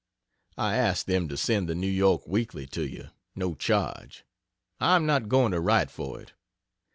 I asked them to send the N. Y. Weekly to you no charge. I am not going to write for it.